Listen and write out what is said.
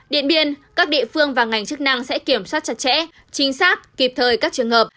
điện biên các địa phương và ngành chức năng sẽ kiểm soát chặt chẽ chính xác kịp thời các trường hợp